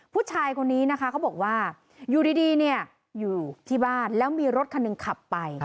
ผู้ชายคนนี้นะคะเขาบอกว่าอยู่ดีเนี่ยอยู่ที่บ้านแล้วมีรถคันหนึ่งขับไป